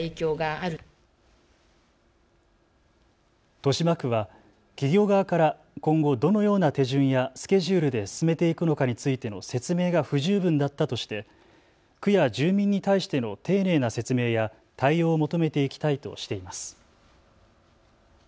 豊島区は企業側から今後どのような手順やスケジュールで進めていくのかについての説明が不十分だったとして区や住民に対しての丁寧な説明や対応を求めていきたいとしています。